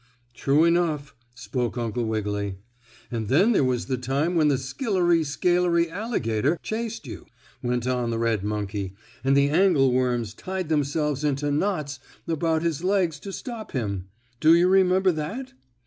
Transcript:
"True enough," spoke Uncle Wiggily. "And then there was the time when the skillery scalery alligator chased you," went on the red monkey, "and the angle worms tied themselves into knots about his legs to stop him. Do you remember that?"